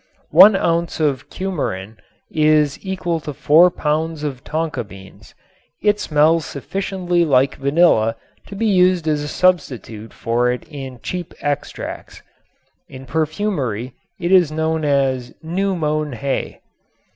One ounce of cumarin is equal to four pounds of tonka beans. It smells sufficiently like vanilla to be used as a substitute for it in cheap extracts. In perfumery it is known as "new mown hay."